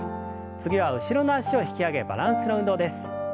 次は後ろの脚を引き上げバランスの運動です。